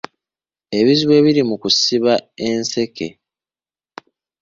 Ebizibu ebiri mu kusiba enseke.